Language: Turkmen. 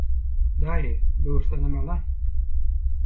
– Daýy, böwürslenem alaý.